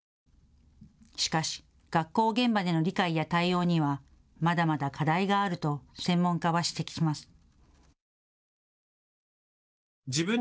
しかし、学校現場での理解や対応には、まだまだ課題があると専門家は指摘します。